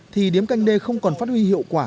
thì điếm canh đê không còn phát huy hiệu quả